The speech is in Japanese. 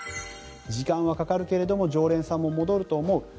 時間はかかるけれども常連さんも戻るとは思う。